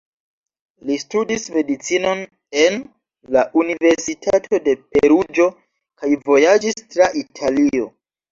Li studis medicinon en la Universitato de Peruĝo kaj vojaĝis tra Italio.